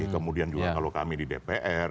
kemudian juga kalau kami di dpr